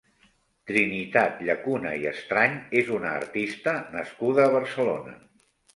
Trinitat Llacuna i Estrany és una artista nascuda a Barcelona.